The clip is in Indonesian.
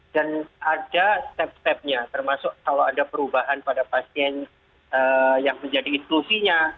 dan ada step stepnya termasuk kalau ada perubahan pada pasien yang menjadi eksklusinya